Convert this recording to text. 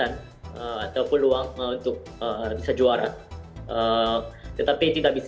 dan mereka akan lebih baik